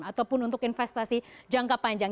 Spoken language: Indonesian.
ataupun untuk investasi jangka panjang